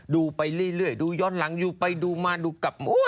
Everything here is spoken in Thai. ดูไปเรื่อยดูย้อนหลังดูไปดูมาดูกลับมา